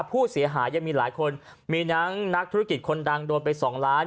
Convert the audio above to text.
ว่าผู้เสียหายังมีหลายคนมีนักธุรกิจคนดังโดนไปสองล้าน